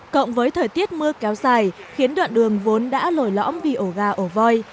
cộng với thời tiết mưa kéo dài khiến đoạn đường vốn đã lồi lõm vì ổ gà ổ voi